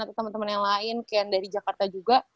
atau temen temen yang lain kayak yang dari jakarta juga